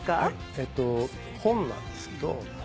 えっと本なんですけど。